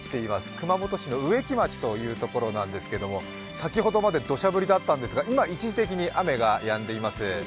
熊本市の植木町という所なんですけど先ほどまで土砂降り立ったんですが今、一時的にやんでいます。